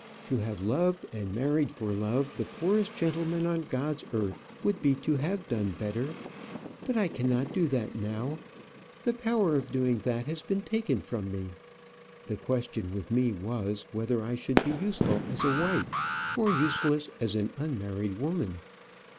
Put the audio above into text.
To have loved, and married for love the poorest gentleman on God's earth would be to have done better. But I cannot do that now. The power of doing that has been taken from me. The question with me was, whether I should be useful as a wife, or useless as an unmarried woman?